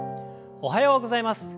おはようございます！